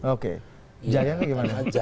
oke giant itu bagaimana